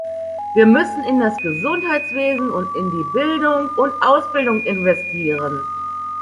Wir müssen in das Gesundheitswesen und in die Bildung und Ausbildung investieren.